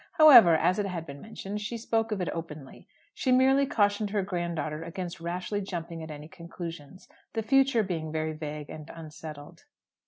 However, as it had been mentioned, she spoke of it openly. She merely cautioned her grand daughter against rashly jumping at any conclusions: the future being very vague and unsettled.